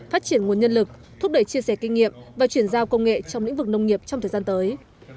phát triển nguồn nhân lực thúc đẩy chia sẻ kinh nghiệm và chuyển giao công nghệ trong lĩnh vực nông nghiệp trong thời gian tới